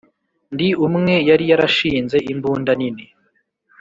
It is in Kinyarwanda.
Ndi umwe yari yarashinze imbunda nini